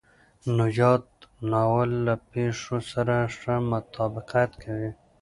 نو ياد ناول له پېښو سره ښه مطابقت کوي.